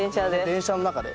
電車の中で。